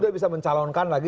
sudah bisa mencalonkan lagi